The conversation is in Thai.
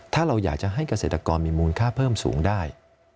ถ้าเราอยากจะให้เกษตรกรมีมูลค่าเพิ่มสูงได้